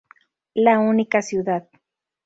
La única ciudad.